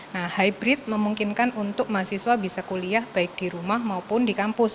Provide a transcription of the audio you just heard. nah hybrid memungkinkan untuk mahasiswa bisa kuliah baik di rumah maupun di kampus